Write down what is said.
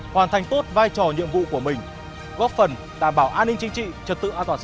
hoàn thành tốt vai trò nhiệm vụ của mình góp phần đảm bảo an ninh chính trị trật tự an toàn xã hội trong tình hình mới